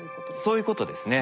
そういうことですね。